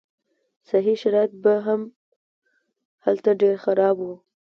صحي شرایط به هم هلته ډېر خراب وو.